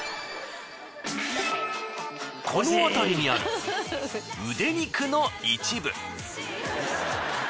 この辺りにあるウデ肉の一部。